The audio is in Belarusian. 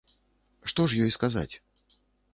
Што ж ёй сказаць?